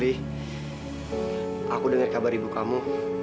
aku dengar kabar ibu kamu